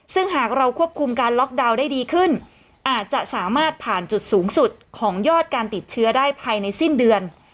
ซึ่งหากเราควบคุมการล็อกดาวน์ได้ดีขึ้นอาจจะสามารถผ่านจุดสูงสุดของยอดการติดเชื้อได้ภายในสิ้นเดือน